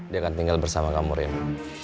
dia akan tinggal bersama kamu reno